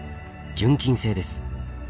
純金製です。